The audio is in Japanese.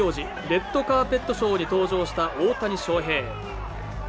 レッドカーペットショーに登場した大谷翔平。